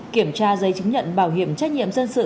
kiểm tra giấy chứng nhận bảo hiểm trách nhiệm dân sự